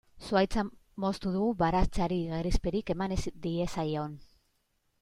Zuhaitza moztu dugu baratzari gerizperik eman ez diezaion.